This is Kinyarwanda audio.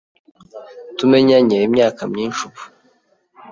Tumenyanye imyaka myinshi ubu.